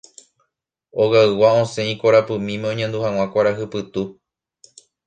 Ogaygua osẽ ikorapymíme oñandu hag̃ua kuarahy pytu